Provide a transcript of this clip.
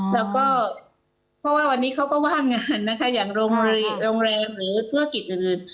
แล้วก็เพราะว่าวันนี้เขาก็ว่างงานนะคะอย่างโรงแรมหรือธุรกิจอื่น